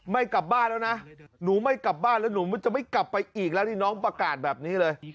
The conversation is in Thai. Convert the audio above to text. ไม่กลับบ้านแล้วนะหนูไม่กลับบ้านแล้วหนูจะไม่กลับไปอีกแล้วนี่น้องประกาศแบบนี้เลย